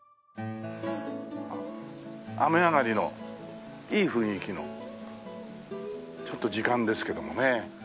雨上がりのいい雰囲気のちょっと時間ですけどもね。